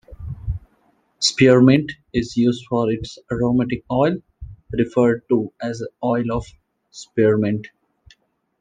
Spearmint is used for its aromatic oil, referred to as oil of spearmint.